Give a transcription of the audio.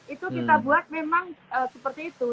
itu kita buat memang seperti itu